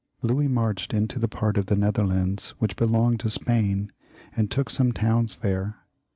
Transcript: Louis marched into the part of the Netherlands which belonged to Spain, and took some towns there.